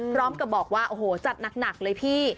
พร้อมกับบอกว่าโอ้โหจัดหนักเลยพี่